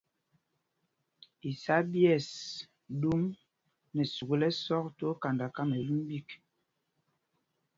Isá ɓyɛ̂ɛs ɗum nɛ sukûl ɛsɔk twóó kanda Kamɛlûn ɓîk.